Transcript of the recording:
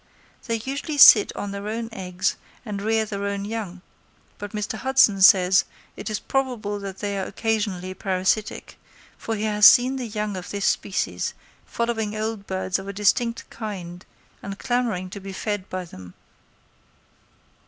They usually sit on their own eggs and rear their own young; but Mr. Hudson says it is probable that they are occasionally parasitic, for he has seen the young of this species following old birds of a distinct kind and clamouring to be fed by them.